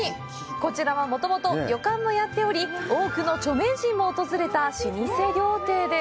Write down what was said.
こちらはもともと旅館もやっており、多くの著名人も訪れた老舗料亭です。